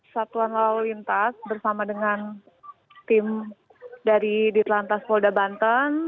satuan lalu lintas bersama dengan tim dari ditelantas polda banten